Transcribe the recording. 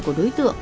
của đối tượng